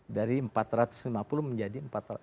dari empat ratus lima puluh menjadi empat ratus